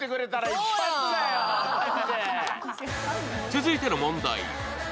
続いての問題。